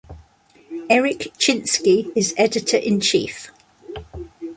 Eric Chinski is editor-in-chief.